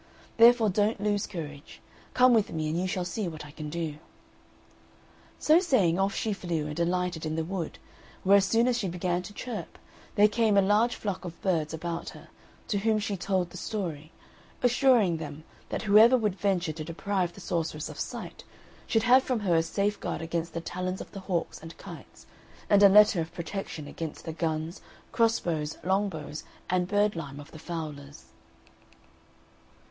Therefore don't lose courage; come with me, and you shall see what I can do." So saying off she flew, and alighted in the wood, where as soon as she began to chirp, there came a large flock of birds about her, to whom she told the story, assuring them that whoever would venture to deprive the sorceress of sight should have from her a safeguard against the talons of the hawks and kites, and a letter of protection against the guns, crossbows, longbows, and bird lime of the fowlers.